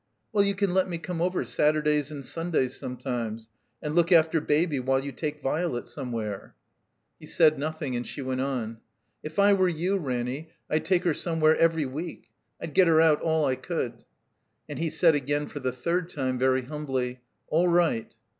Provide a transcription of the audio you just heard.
'Well — ^You can let me come over Saturdays and Sundays sometimes and look after Baby while you take Violet somewhere." 212 II' It' THE COMBINED MAZE He said nothing, and she went on. "If I were you, Ranny, I'd take her somewhere every week. I'd get her out all I could." And he said again for the third time, very humbly : "AU right."